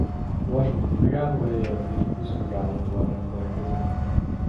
Vasúti megállóhellyel és buszmegállóval rendelkezik.